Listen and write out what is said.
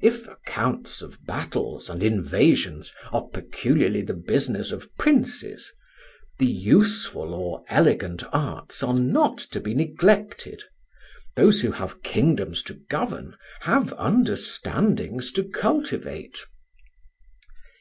If accounts of battles and invasions are peculiarly the business of princes, the useful or elegant arts are not to be neglected; those who have kingdoms to govern have understandings to cultivate.